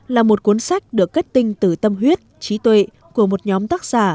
là một cuốn sách được kết tinh từ tâm huyết trí tuệ của một nhóm tác giả